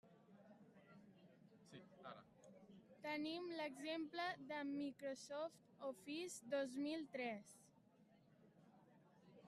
Tenim l'exemple del Microsoft Office dos mil tres.